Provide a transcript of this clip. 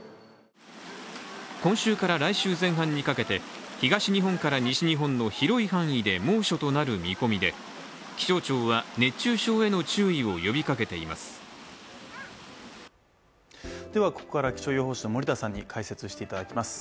今週から来週前半にかけて東日本から西日本の広い範囲で猛暑となる見込みで気象庁は熱中症への注意を呼びかけています。